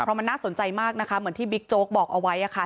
มันน่าสนใจมากนะคะเหมือนที่บิ๊กโจ๊กบอกเอาไว้ค่ะ